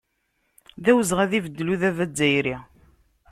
D awezɣi ad ibeddel udabu azzayri.